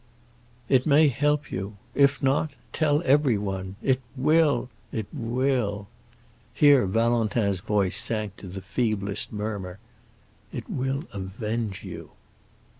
It may help you. If not, tell everyone. It will—it will"—here Valentin's voice sank to the feeblest murmur—"it will avenge you!"